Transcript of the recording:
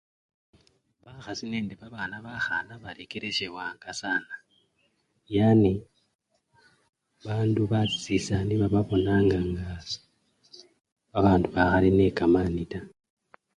Bakhasi nende babana bakhana balekelesyebwanga sana yani bandu basisani baba bona nga babandu bakhali nende kamani taa.